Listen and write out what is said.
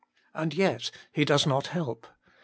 And yet He does not help.